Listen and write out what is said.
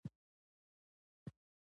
چې بېلا بېلو اروپايې ژبو ته ننوتلې ده.